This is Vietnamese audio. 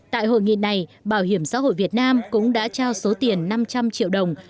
tại hội nghị này bảo hiểm xã hội việt nam cũng đã trao số tiền năm trăm linh triệu đồng